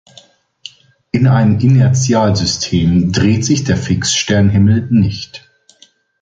In einem Inertialsystem dreht sich der Fixsternhimmel nicht.